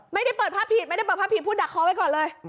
ไม่ได้เปิดภาพผิดไม่ได้เปิดภาพผิดพูดดักคอไว้ก่อนเลย